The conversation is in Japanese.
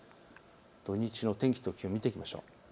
土日の天気と気温を見ていきましょう。